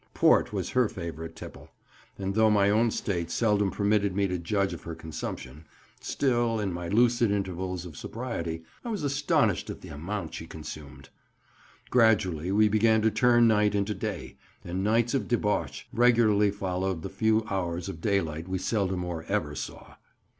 Port was her favourite tipple, and though my own state seldom permitted me to judge of her consumption, still in my lucid intervals of sobriety I was astonished at the amount she consumed. Gradually we began to turn night into day, and nights of debauch regularly followed the few hours of daylight we seldom or ever saw.